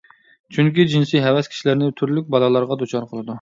چۈنكى، جىنسىي ھەۋەس كىشىلەرنى تۈرلۈك بالالارغا دۇچار قىلىدۇ.